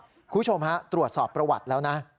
คุณผู้ชมฮะตรวจสอบประวัติแล้วนะ